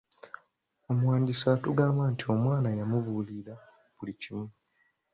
Omuwandiisi atugamba nti omuwala yamubuulira buli kumi.